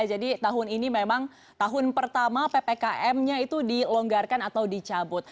jadi tahun ini memang tahun pertama ppkm nya itu dilonggarkan atau dicabut